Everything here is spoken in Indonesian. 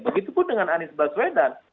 begitupun dengan anies baswedan